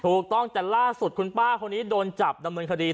ถูกต้องแต่ล่าสุดคุณป้าคนนี้โดนจับดำเนินคดี